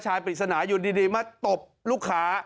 ปริศนาอยู่ดีมาตบลูกค้า